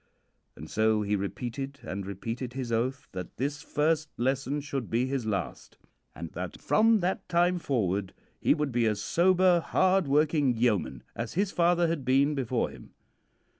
And so he repeated and repeated his oath that this first lesson should be his last, and that from that time forward he would be a sober, hard working yeoman as his father had been before him.